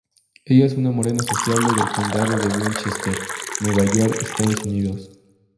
Ella es un morena sociable del Condado de Westchester, Nueva York, Estados Unidos.